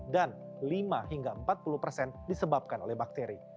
dan lima hingga empat puluh persen disebabkan oleh bakteri